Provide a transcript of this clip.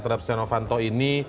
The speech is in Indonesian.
terhadap stiano fanto ini